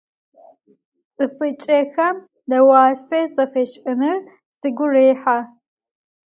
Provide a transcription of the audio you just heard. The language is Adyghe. Цӏыфыкӏэхэм нэӏуасэ зэфэшӏыныр сыгу рехьэ.